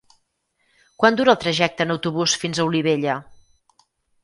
Quant dura el trajecte en autobús fins a Olivella?